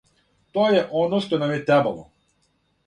То је оно што нам је требало!